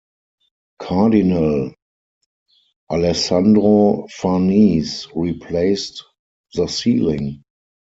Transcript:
Cardinal Alessandro Farnese replaced the ceiling.